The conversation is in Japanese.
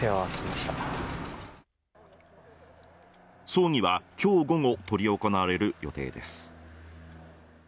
葬儀は、今日午後執り行われる予定です。